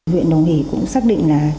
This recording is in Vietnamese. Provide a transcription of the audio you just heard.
huyện đồng hì cũng xác định là